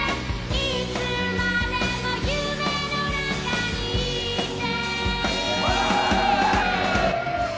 「いつまでも夢の中にいて」